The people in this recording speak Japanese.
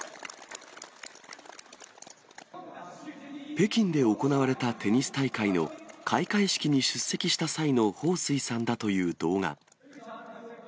北京で行われたテニス大会の開会式に出席した際の彭帥さんだという動画。